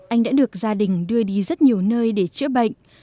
anh đã được gia đình đưa đi rất nhiều nơi để chữa bệnh